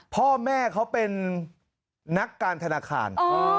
พ่อแม่เขาเป็นนักการธนาคาร